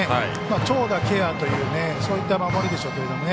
長打ケアというそういった守りでしょうけどね。